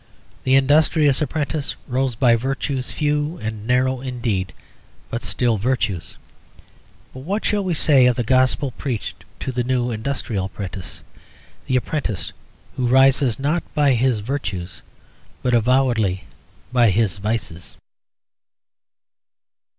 The Industrious Apprentice rose by virtues few and narrow indeed, but still virtues. But what shall we say of the gospel preached to the new Industrious Apprentice; the Apprentice who rises not by his virtues, but avowedly by his vices?